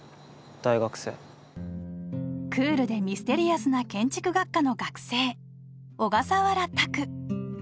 大学生クールでミステリアスな建築学科の学生小笠原拓